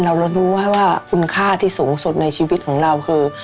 เรารู้ว่าคุณค่าที่สูงสุดในชีวิตของเราคือ